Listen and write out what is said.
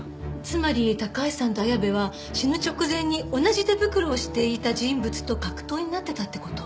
つまり高橋さんと綾部は死ぬ直前に同じ手袋をしていた人物と格闘になってたって事？